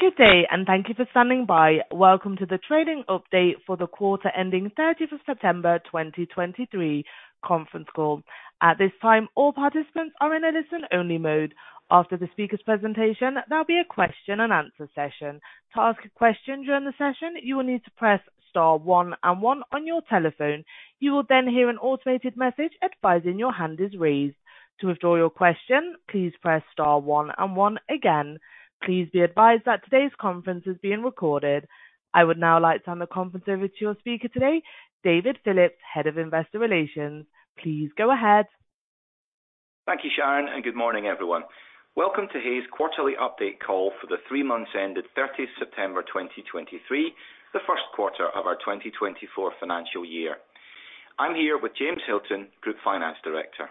Good day, and thank you for standing by. Welcome to the trading update for the quarter ending 30th of September 2023 conference call. At this time, all participants are in a listen-only mode. After the speaker's presentation, there'll be a question and answer session. To ask a question during the session, you will need to press star one and one on your telephone. You will then hear an automated message advising your hand is raised. To withdraw your question, please press star one and one again. Please be advised that today's conference is being recorded. I would now like to turn the conference over to your speaker today, David Phillips, Head of Investor Relations. Please go ahead. Thank you, Sharon, and good morning, everyone. Welcome to Hays' quarterly update call for the three months ended 30th September 2023, the first quarter of our 2024 financial year. I'm here with James Hilton, Group Finance Director.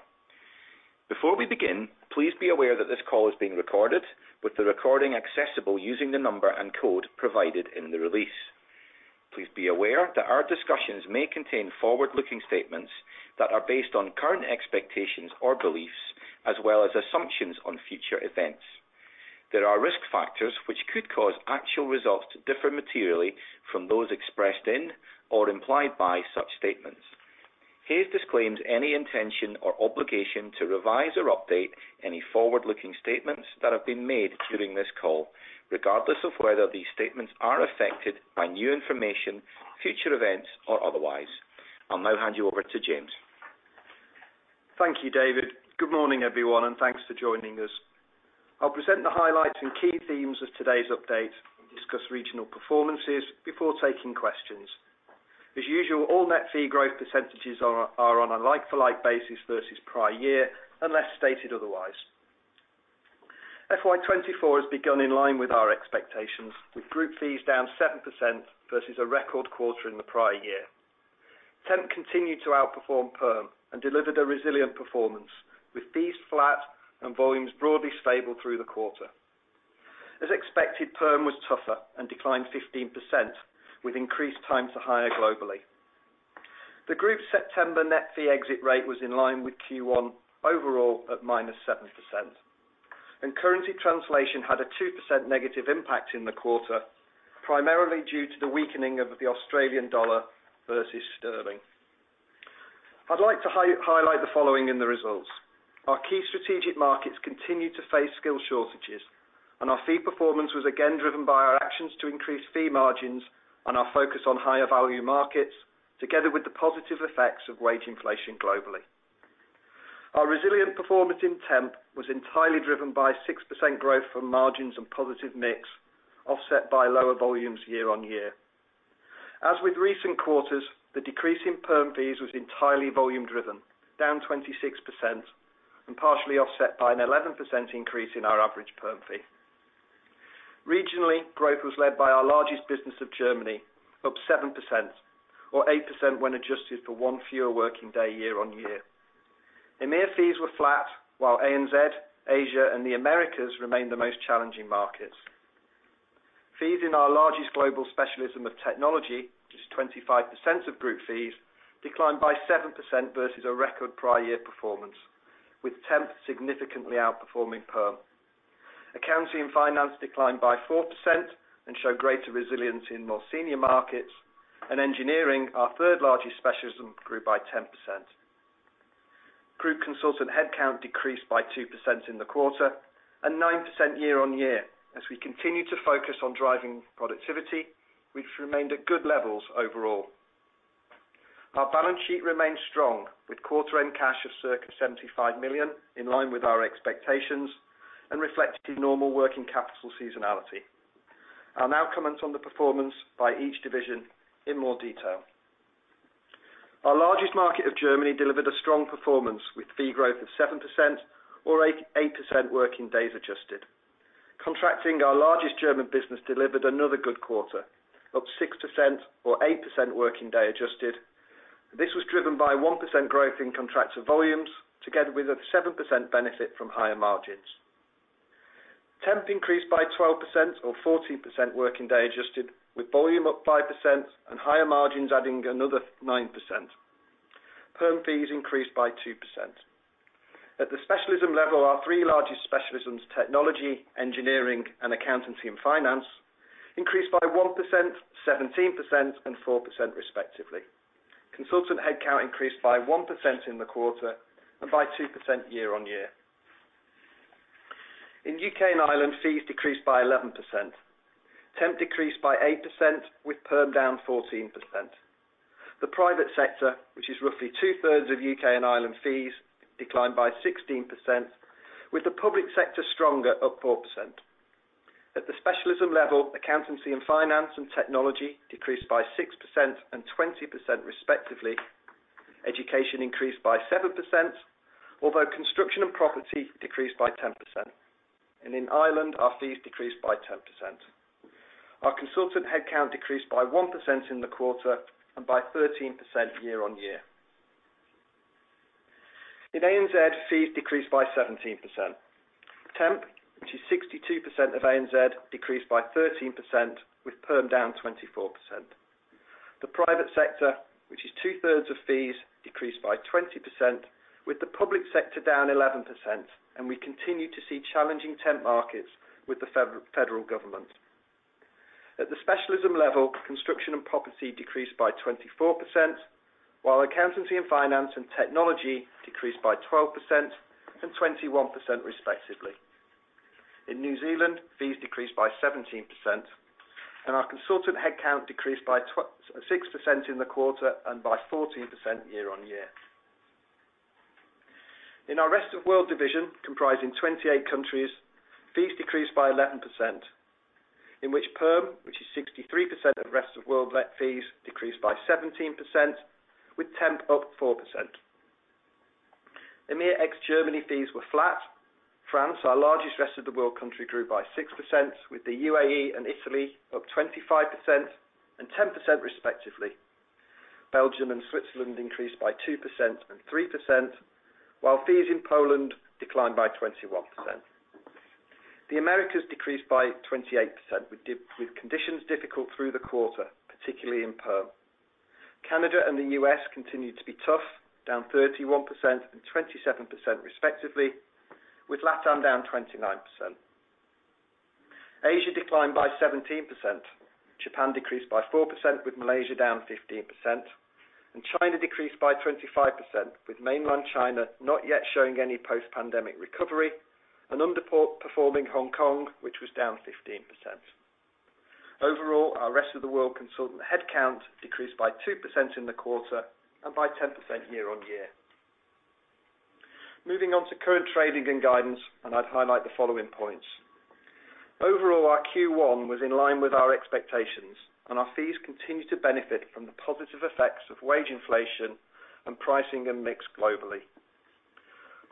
Before we begin, please be aware that this call is being recorded, with the recording accessible using the number and code provided in the release. Please be aware that our discussions may contain forward-looking statements that are based on current expectations or beliefs, as well as assumptions on future events. There are risk factors which could cause actual results to differ materially from those expressed in or implied by such statements. Hays disclaims any intention or obligation to revise or update any forward-looking statements that have been made during this call, regardless of whether these statements are affected by new information, future events, or otherwise. I'll now hand you over to James. Thank you, David. Good morning, everyone, and thanks for joining us. I'll present the highlights and key themes of today's update and discuss regional performances before taking questions. As usual, all net fee growth percentages are on a like-for-like basis versus prior year, unless stated otherwise. FY 2024 has begun in line with our expectations, with group fees down 7% versus a record quarter in the prior year. Temp continued to outperform perm and delivered a resilient performance, with fees flat and volumes broadly stable through the quarter. As expected, perm was tougher and declined 15%, with increased time to hire globally. The group's September net fee exit rate was in line with Q1 overall at -7%, and currency translation had a 2% negative impact in the quarter, primarily due to the weakening of the Australian dollar versus sterling. I'd like to highlight the following in the results. Our key strategic markets continued to face skill shortages, and our fee performance was again driven by our actions to increase fee margins and our focus on higher value markets, together with the positive effects of wage inflation globally. Our resilient performance in temp was entirely driven by 6% growth from margins and positive mix, offset by lower volumes year-on-year. As with recent quarters, the decrease in perm fees was entirely volume driven, down 26% and partially offset by an 11% increase in our average perm fee. Regionally, growth was led by our largest business of Germany, up 7% or 8% when adjusted for one fewer working day year-on-year. EMEA fees were flat, while ANZ, Asia, and the Americas remained the most challenging markets. Fees in our largest global specialism of technology, which is 25% of group fees, declined by 7% versus a record prior year performance, with temp significantly outperforming perm. Accounting and finance declined by 4% and showed greater resilience in more senior markets, and engineering, our third largest specialism, grew by 10%. Group consultant headcount decreased by 2% in the quarter and 9% year-on-year, as we continue to focus on driving productivity, which remained at good levels overall. Our balance sheet remains strong, with quarter end cash of circa 75 million, in line with our expectations and reflecting normal working capital seasonality. I'll now comment on the performance by each division in more detail. Our largest market of Germany delivered a strong performance, with fee growth of 7% or 8.8% working days adjusted. Contracting, our largest German business, delivered another good quarter, up 6% or 8% working day adjusted. This was driven by 1% growth in contractor volumes, together with a 7% benefit from higher margins. Temp increased by 12% or 14% working day adjusted, with volume up 5% and higher margins adding another 9%. Perm fees increased by 2%. At the specialism level, our three largest specialisms, technology, engineering, and accountancy and finance, increased by 1%, 17%, and 4%, respectively. Consultant headcount increased by 1% in the quarter and by 2% year-on-year. In U.K. and Ireland, fees decreased by 11%. Temp decreased by 8%, with perm down 14%. The private sector, which is roughly 2/3 of U.K. and Ireland fees, declined by 16%, with the public sector stronger, up 4%. At the specialism level, accountancy and finance and technology decreased by 6% and 20%, respectively. Education increased by 7%, although construction and property decreased by 10%. In Ireland, our fees decreased by 10%. Our consultant headcount decreased by 1% in the quarter and by 13% year-on-year. In ANZ, fees decreased by 17%. Temp, which is 62% of ANZ, decreased by 13%, with perm down 24%. The private sector, which is two-thirds of fees, decreased by 20%, with the public sector down 11%, and we continue to see challenging temp markets with the federal, federal government. At the specialism level, construction and property decreased by 24%, while accountancy and finance and technology decreased by 12% and 21% respectively. In New Zealand, fees decreased by 17%, and our consultant headcount decreased by 26% in the quarter and by 14% year-on-year. In our Rest of World division, comprising 28 countries, fees decreased by 11%, in which perm, which is 63% of Rest of World net fees, decreased by 17%, with temp up 4%. EMEA ex Germany fees were flat. France, our largest Rest of the World country, grew by 6%, with the UAE and Italy up 25% and 10% respectively. Belgium and Switzerland increased by 2% and 3%, while fees in Poland declined by 21%. The Americas decreased by 28%, with conditions difficult through the quarter, particularly in perm. Canada and the U.S. continued to be tough, down 31% and 27% respectively, with LatAm down 29%. Asia declined by 17%. Japan decreased by 4%, with Malaysia down 15%, and China decreased by 25%, with mainland China not yet showing any post-pandemic recovery and underperforming Hong Kong, which was down 15%. Overall, our Rest of World consultant headcount decreased by 2% in the quarter and by 10% year-on-year. Moving on to current trading and guidance, and I'd highlight the following points: Overall, our Q1 was in line with our expectations, and our fees continue to benefit from the positive effects of wage inflation and pricing and mix globally.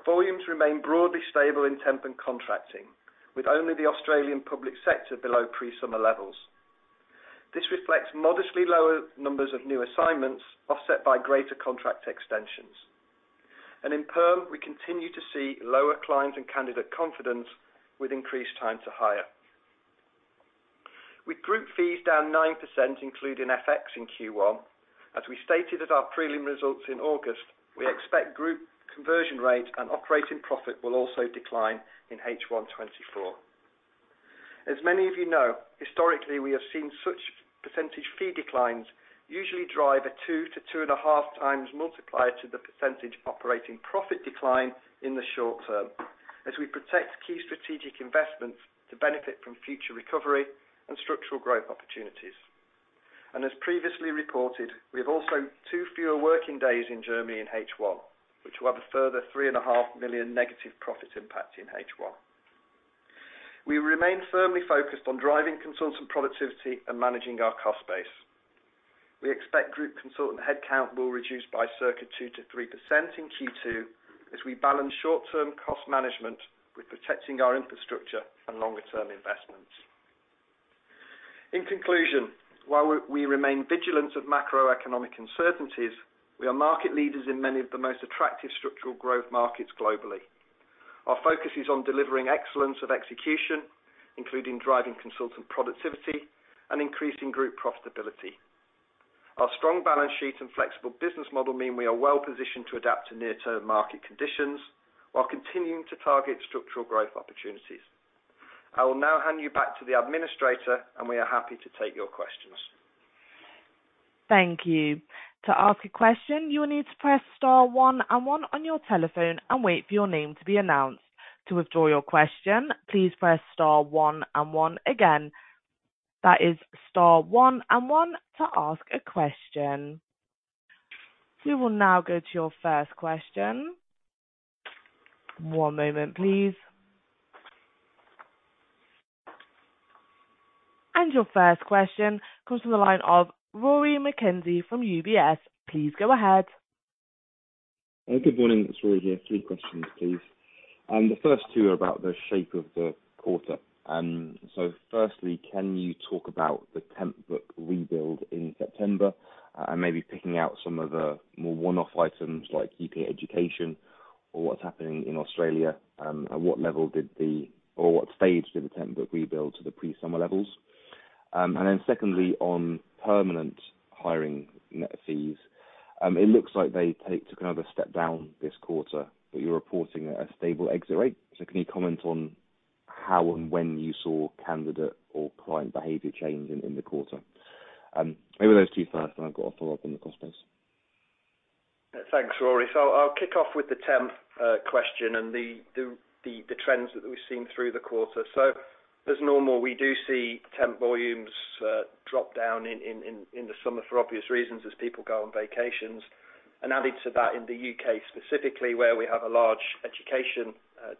Volumes remain broadly stable in temp and contracting, with only the Australian public sector below pre-summer levels. This reflects modestly lower numbers of new assignments, offset by greater contract extensions. In perm, we continue to see lower clients and candidate confidence with increased time to hire. With group fees down 9%, including FX in Q1, as we stated at our prelim results in August, we expect group conversion rate and operating profit will also decline in H1 2024. As many of you know, historically, we have seen such percentage fee declines usually drive a 2x-2.5x multiplier to the percentage operating profit decline in the short term, as we protect key strategic investments to benefit from future recovery and structural growth opportunities. As previously reported, we have also two fewer working days in Germany in H1, which will have a further 3.5 million negative profit impact in H1. We remain firmly focused on driving consultant productivity and managing our cost base. We expect group consultant headcount will reduce by circa 2%-3% in Q2 as we balance short-term cost management with protecting our infrastructure and longer-term investments. In conclusion, while we remain vigilant of macroeconomic uncertainties, we are market leaders in many of the most attractive structural growth markets globally. Our focus is on delivering excellence of execution, including driving consultant productivity and increasing group profitability. Our strong balance sheet and flexible business model mean we are well positioned to adapt to near-term market conditions while continuing to target structural growth opportunities. I will now hand you back to the administrator, and we are happy to take your questions. Thank you. To ask a question, you will need to press star one and one on your telephone and wait for your name to be announced. To withdraw your question, please press star one and one again. That is star one and one to ask a question. We will now go to your first question. One moment, please. And your first question comes from the line of Rory McKenzie from UBS. Please go ahead. Good morning, it's Rory here. Three questions, please. The first two are about the shape of the quarter. Firstly, can you talk about the temp book rebuild in September, maybe picking out some of the more one-off items like U.K. education or what's happening in Australia, and at what level did the, or what stage did the temp book rebuild to the pre-summer levels? Secondly, on permanent hiring net fees, it looks like they took another step down this quarter, but you're reporting a stable exit rate. Can you comment on how and when you saw candidate or client behavior change in the quarter? Maybe those two first, and I've got a follow-up on the cost base. Thanks, Rory. So I'll kick off with the temp question and the trends that we've seen through the quarter. So as normal, we do see temp volumes drop down in the summer, for obvious reasons, as people go on vacations. And added to that, in the U.K. specifically, where we have a large education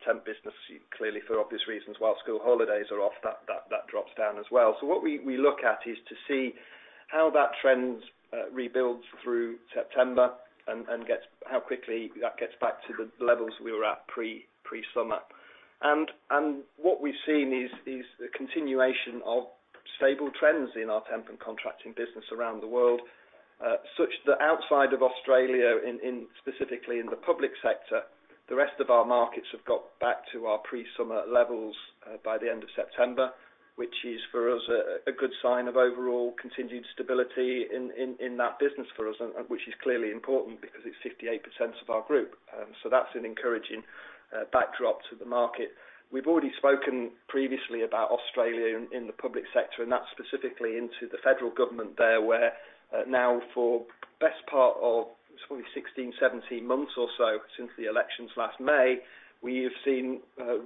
temp business, clearly for obvious reasons, while school holidays are off, that drops down as well. So what we look at is to see how that trend rebuilds through September and how quickly that gets back to the levels we were at pre-summer. And what we've seen is the continuation of stable trends in our temp and contracting business around the world.... such that outside of Australia, specifically in the public sector, the rest of our markets have got back to our pre-summer levels by the end of September, which is, for us, a good sign of overall continued stability in that business for us, and which is clearly important because it's 58% of our group. So that's an encouraging backdrop to the market. We've already spoken previously about Australia in the public sector, and that's specifically into the federal government there, where now for best part of probably 16, 17 months or so, since the elections last May, we have seen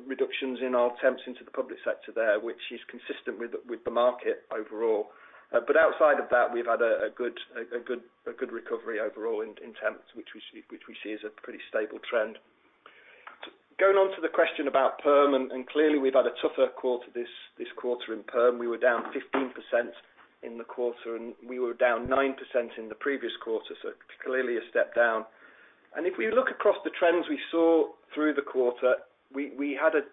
reductions in our temps into the public sector there, which is consistent with the market overall. But outside of that, we've had a good recovery overall in temps, which we see as a pretty stable trend. Going on to the question about perm, and clearly we've had a tougher quarter this quarter in perm. We were down 15% in the quarter, and we were down 9% in the previous quarter, so clearly a step down. And if we look across the trends we saw through the quarter, we had a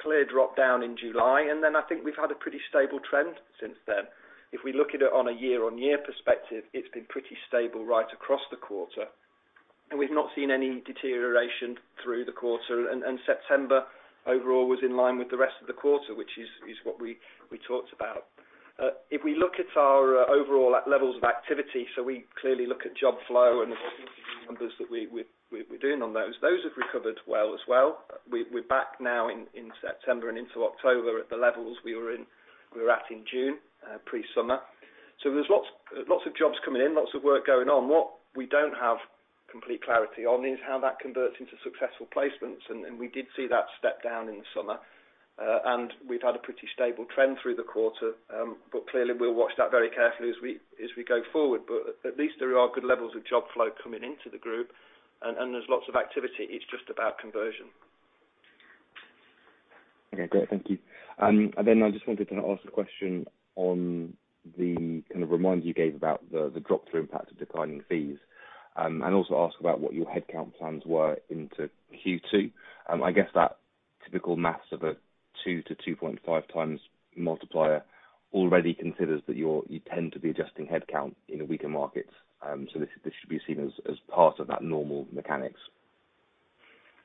clear drop-down in July, and then I think we've had a pretty stable trend since then. If we look at it on a year-on-year perspective, it's been pretty stable right across the quarter, and we've not seen any deterioration through the quarter. September, overall, was in line with the rest of the quarter, which is what we talked about. If we look at our overall levels of activity, so we clearly look at job flow and the numbers that we're doing on those, those have recovered well as well. We're back now in September and into October at the levels we were at in June, pre-summer. So there's lots of jobs coming in, lots of work going on. What we don't have complete clarity on is how that converts into successful placements, and we did see that step down in the summer. And we've had a pretty stable trend through the quarter. But clearly, we'll watch that very carefully as we go forward. But at least there are good levels of job flow coming into the group, and there's lots of activity. It's just about conversion. Okay, great. Thank you. And then I just wanted to ask a question on the kind of reminder you gave about the drop through impact of declining fees, and also ask about what your headcount plans were into Q2. I guess that typical math of a 2x-2.5x multiplier already considers that you tend to be adjusting headcount in a weaker market. So this should be seen as part of that normal mechanics.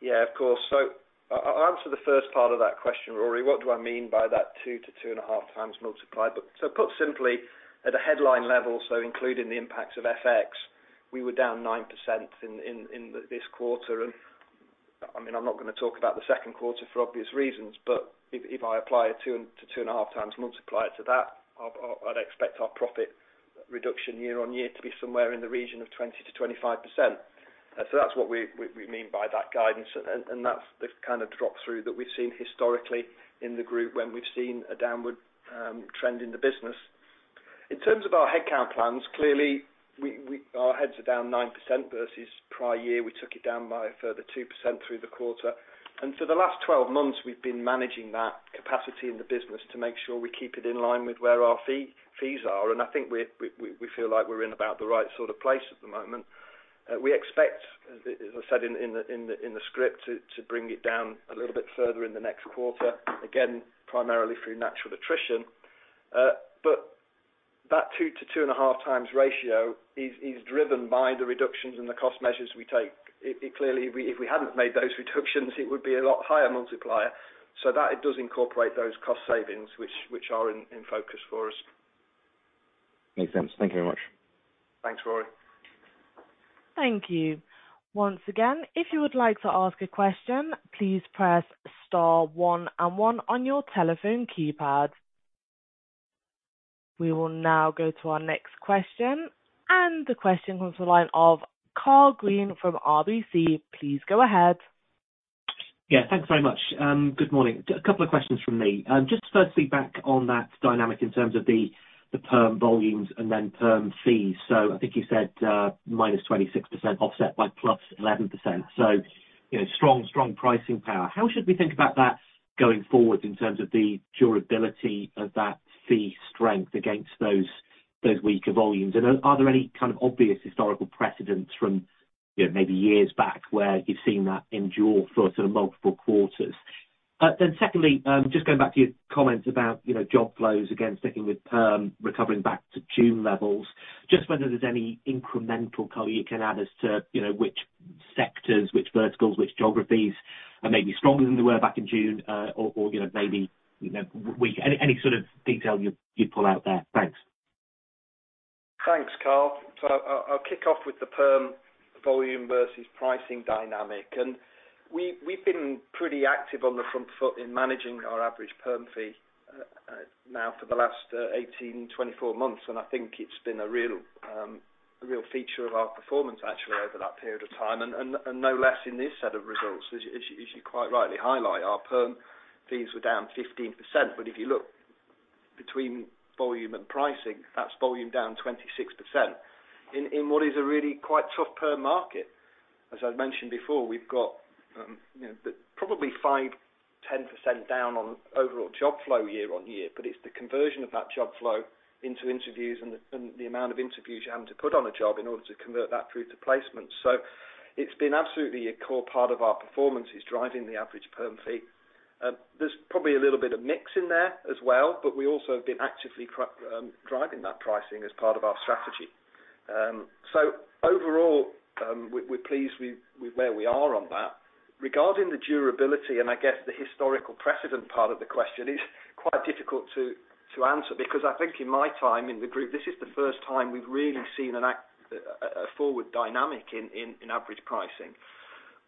Yeah, of course. So I'll answer the first part of that question, Rory. What do I mean by that 2x-2.5x multiplier? But so put simply, at a headline level, so including the impacts of FX, we were down 9% in this quarter. And, I mean, I'm not going to talk about the second quarter for obvious reasons, but if I apply a 2x-2.5x multiplier to that, I'd expect our profit reduction year-over-year to be somewhere in the region of 20%-25%. So that's what we mean by that guidance, and that's the kind of drop-through that we've seen historically in the group when we've seen a downward trend in the business. In terms of our headcount plans, clearly, we, we-- Our heads are down 9% versus prior year. We took it down by a further 2% through the quarter. For the last 12 months, we've been managing that capacity in the business to make sure we keep it in line with where our fees are. I think we, we, we feel like we're in about the right sort of place at the moment. We expect, as I said in the script, to bring it down a little bit further in the next quarter, again, primarily through natural attrition. That 2x-2.5x ratio is driven by the reductions in the cost measures we take. It clearly. If we hadn't made those reductions, it would be a lot higher multiplier, so that it does incorporate those cost savings, which are in focus for us. Makes sense. Thank you very much. Thanks, Rory. Thank you. Once again, if you would like to ask a question, please press star one and one on your telephone keypad. We will now go to our next question, and the question comes to the line of Karl Green from RBC. Please go ahead. Yeah, thanks very much. Good morning. Couple of questions from me. Just firstly, back on that dynamic in terms of the perm volumes and then perm fees. I think you said, -26%, offset by +11%. You know, strong, strong pricing power. How should we think about that going forward in terms of the durability of that fee strength against those weaker volumes? Are there any kind of obvious historical precedents from, you know, maybe years back, where you've seen that endure for sort of multiple quarters? Then secondly, just going back to your comments about, you know, job flows, again, sticking with perm recovering back to June levels, just whether there's any incremental color you can add as to, you know, which sectors, which verticals, which geographies are maybe stronger than they were back in June, or, you know, maybe, you know, any, any sort of detail you'd pull out there. Thanks. Thanks, Karl. So I'll kick off with the perm volume versus pricing dynamic. And we've been pretty active on the front foot in managing our average perm fee now for the last 18, 24 months, and I think it's been a real feature of our performance actually, over that period of time, and no less in this set of results. As you quite rightly highlight, our perm fees were down 15%. But if you look between volume and pricing, that's volume down 26% in what is a really quite tough perm market. As I've mentioned before, we've got, you know, probably 5%-10% down on overall job flow year-on-year, but it's the conversion of that job flow into interviews and the amount of interviews you're having to put on a job in order to convert that through to placement. It's been absolutely a core part of our performance, is driving the average perm fee. There's probably a little bit of mix in there as well, but we also have been actively driving that pricing as part of our strategy. Overall, we're pleased with where we are on that. Regarding the durability, and I guess the historical precedent part of the question, is quite difficult to answer because I think in my time in the group, this is the first time we've really seen an act... A forward dynamic in average pricing.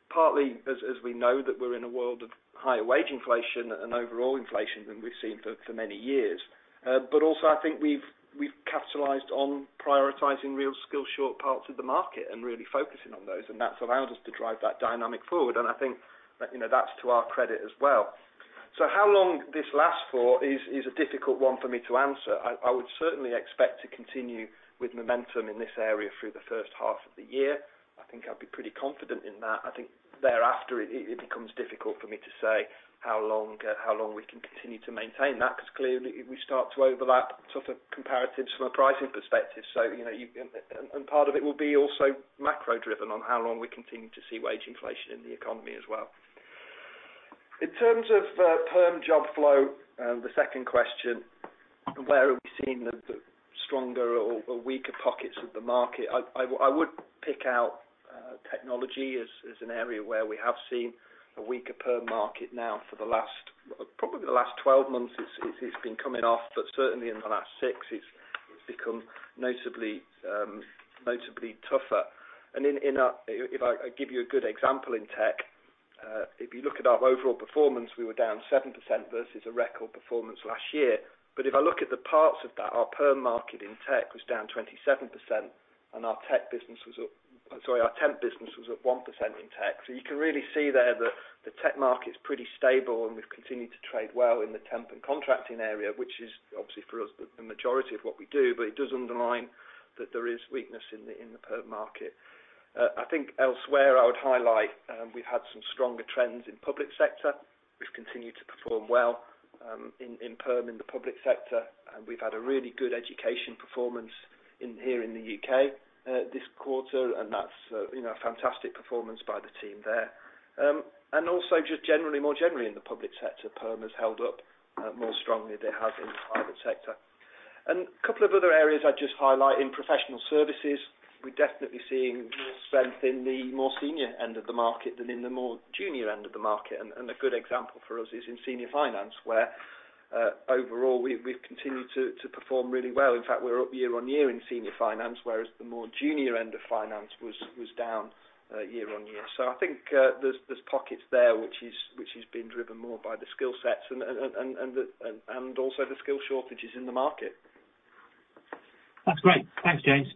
Partly, as we know, that we're in a world of higher wage inflation and overall inflation than we've seen for many years. But also I think we've capitalized on prioritizing real skill short parts of the market and really focusing on those, and that's allowed us to drive that dynamic forward. And I think, you know, that's to our credit as well. So how long this lasts for is a difficult one for me to answer. I would certainly expect to continue with momentum in this area through the first half of the year. I think I'd be pretty confident in that. I think thereafter, it becomes difficult for me to say how long, how long we can continue to maintain that, because clearly, we start to overlap sort of comparatives from a pricing perspective. So, you know, part of it will be also macro-driven on how long we continue to see wage inflation in the economy as well. In terms of perm job flow, the second question, where are we seeing the stronger or weaker pockets of the market? I would pick out technology as an area where we have seen a weaker perm market now for the last... Probably the last 12 months, it's been coming off, but certainly in the last six, it's become noticeably tougher. In a if I give you a good example in tech, if you look at our overall performance, we were down 7% versus a record performance last year. But if I look at the parts of that, our perm market in tech was down 27%, and our tech business was up... Sorry, our temp business was at 1% in tech. So you can really see there that the tech market's pretty stable, and we've continued to trade well in the temp and contracting area, which is obviously for us, the majority of what we do, but it does underline that there is weakness in the perm market. I think elsewhere, I would highlight, we've had some stronger trends in public sector, which continued to perform well, in perm in the public sector. We've had a really good education performance in here in the U.K., this quarter, and that's, you know, a fantastic performance by the team there. And also just generally, more generally in the public sector, perm has held up, more strongly than it has in the private sector. And a couple of other areas I'd just highlight, in professional services, we're definitely seeing more strength in the more senior end of the market than in the more junior end of the market. And a good example for us is in senior finance, where, overall we've continued to perform really well. In fact, we're up year-on-year in senior finance, whereas the more junior end of finance was down, year-on-year. So I think, there's pockets there, which is being driven more by the skill sets and also the skill shortages in the market. That's great. Thanks, James.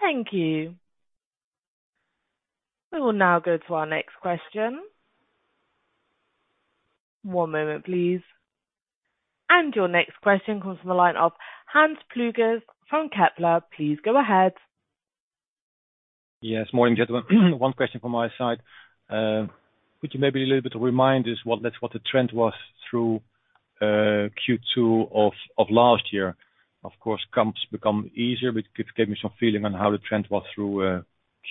Thank you. We will now go to our next question. One moment, please. Your next question comes from the line of Hans Pluijgers from Kepler. Please go ahead. Yes, morning, gentlemen. One question from my side. Would you maybe a little bit remind us what the trend was through Q2 of last year? Of course, comps become easier, but give me some feeling on how the trend was through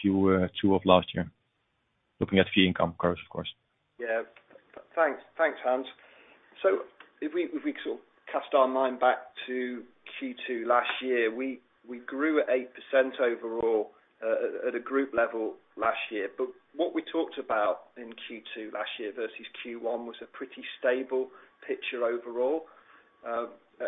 Q2 of last year. Looking at fee income, of course. Yeah. Thanks. Thanks, Hans. So if we sort of cast our mind back to Q2 last year, we grew at 8% overall, at a group level last year. But what we talked about in Q2 last year versus Q1 was a pretty stable picture overall.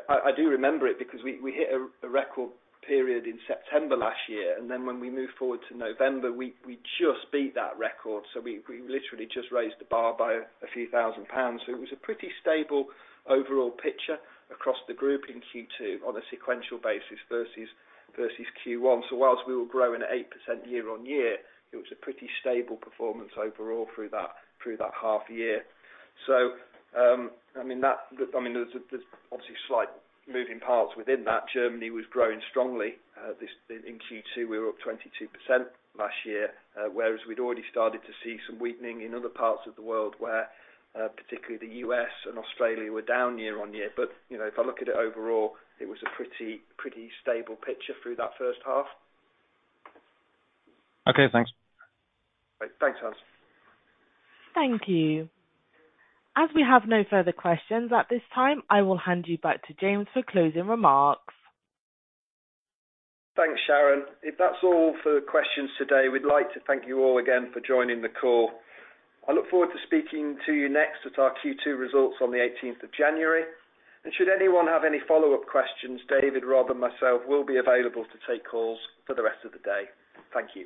I do remember it because we hit a record period in September last year, and then when we moved forward to November, we just beat that record. So we literally just raised the bar by a few thousand GBP. So it was a pretty stable overall picture across the group in Q2 on a sequential basis versus Q1. So whilst we were growing at 8% year-over-year, it was a pretty stable performance overall through that half year. So, I mean, that... I mean, there's obviously slight moving parts within that. Germany was growing strongly. In Q2, we were up 22% last year, whereas we'd already started to see some weakening in other parts of the world where, particularly the U.S. and Australia were down year-on-year. But, you know, if I look at it overall, it was a pretty, pretty stable picture through that first half. Okay, thanks. Thanks, Hans. Thank you. As we have no further questions at this time, I will hand you back to James for closing remarks. Thanks, Sharon. If that's all for questions today, we'd like to thank you all again for joining the call. I look forward to speaking to you next at our Q2 results on the eighteenth of January. Should anyone have any follow-up questions, David, Rob, and myself will be available to take calls for the rest of the day. Thank you.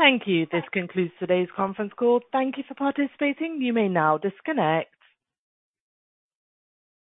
Thank you. This concludes today's conference call. Thank you for participating. You may now disconnect.